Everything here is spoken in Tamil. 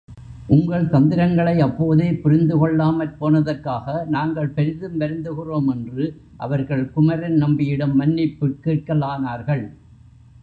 உங்கள் தந்திரங்களை அப்போதே புரிந்துகொள்ளாமற் போனதற்காக நாங்கள் பெரிதும் வருந்துகிறோம் என்று அவர்கள் குமரன் நம்பியிடம் மன்னிப்புக் கேட்கலானார்கள்.